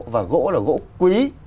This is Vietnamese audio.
và gỗ là gỗ quý